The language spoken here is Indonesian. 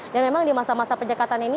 dan memang di masa masa penyekatan ini